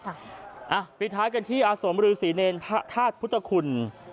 นะครับปิดท้ายกันที่อาสมรือศรีเนนภาษพุทธคุณ